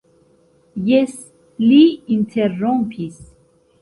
Jes, li interrompis.